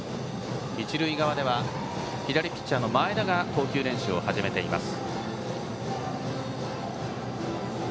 一塁側では左ピッチャーの前田が投球練習を始めています。